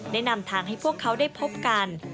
นำทางให้พวกเขาได้พบกัน